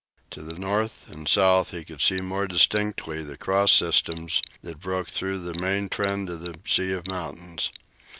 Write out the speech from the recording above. To the north and south he could see more distinctly the cross systems that broke through the main trend of the sea of mountains.